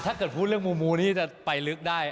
ถ้าเกิดพูดเรื่องมูนี่จะไปลึกได้